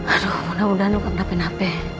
aduh mudah mudahan lu kena hape hape